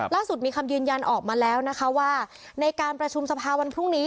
ล่าสุดมีคำยืนยันออกมาแล้วว่าในการประชุมศภาพรุ่งนี้